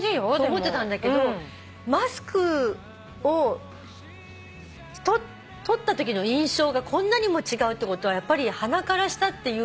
思ってたんだけどマスクを取ったときの印象がこんなにも違うってことはやっぱり鼻から下っていうのも。